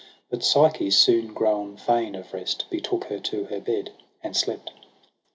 But Psyche soon grown fain Of rest, betook her to her bed and slept.